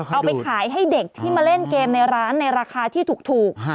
เอาไปขายให้เด็กที่มาเล่นเกมในร้านในราคาที่ถูก